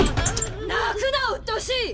泣くなうっとうしい！